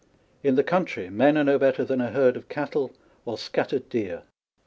In the country, men are no better than a herd of cattle or scattered deer.